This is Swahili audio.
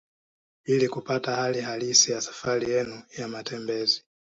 Ili kupata hali halisi ya safari yenu ya matembezi